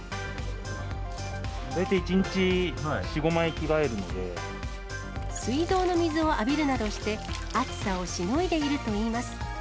大体１日４、５枚ぐらい着替水道の水を浴びるなどして、暑さをしのいでいるといいます。